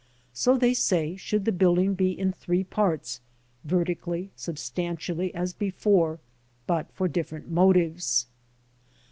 So, they say, should the building be in three parts vertically, substantially as before, but for different motives.